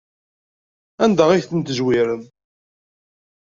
Anda ay ten-tezwarem?